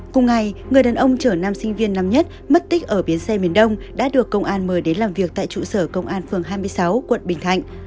cùng ngày người đàn ông chở nam sinh viên năm nhất mất tích ở bến xe miền đông đã được công an mời đến làm việc tại trụ sở công an phường hai mươi sáu quận bình thạnh